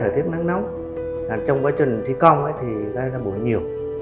trong quá trình thi công thì gây ra bụi nhiều